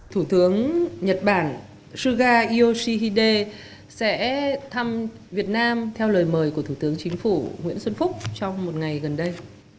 thủ tướng nhật bản suga yoshihide sẽ thăm việt nam theo lời mời của thủ tướng chính phủ nguyễn xuân phúc trong một ngày gần đây